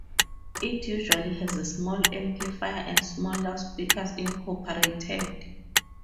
It usually has a small amplifier and small loudspeakers incorporated.